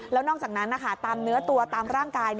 แล้วนอกจากนั้นตามเนื้อตัวตามร่างกาย